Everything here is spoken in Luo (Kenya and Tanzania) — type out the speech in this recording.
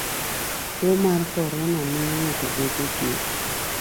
Tuo mar corona miyo ng'ato bedo gi